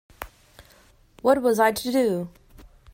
What was I to do?